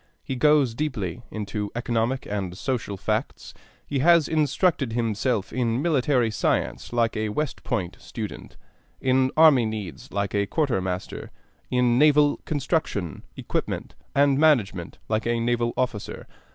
He goes deeply into economic and social facts; he has instructed himself in military science like a West Point student, in army needs like a quartermaster, in naval construction, equipment, and management like a naval officer.